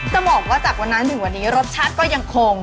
จะบอกว่าจากวันนั้นถึงวันนี้รสชาติก็ยังคง